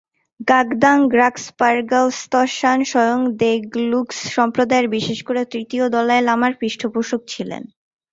ঙ্গাগ-দ্বাং-গ্রাগ্স-পা-র্গ্যাল-ম্ত্শান স্বয়ং দ্গে-লুগ্স ধর্মসম্প্রদায়ের বিশেষ করে তৃতীয় দলাই লামার পৃষ্ঠপোষক ছিলেন।